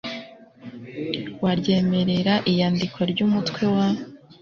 wa ryemerera iyandikwa ry umutwe wa